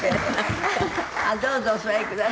どうぞお座りください。